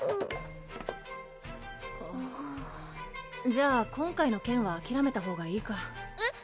うんじゃあ今回の件はあきらめたほうがいいかえっ？